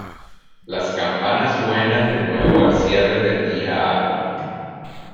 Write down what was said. Las campanas suenan de nuevo al cierre del día hábil.